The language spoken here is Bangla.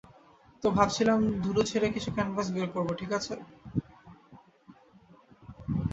তো, ভাবছিলাম ধুলো ঝেড়ে কিছু ক্যানভাস বের করবো, ঠিক আছে?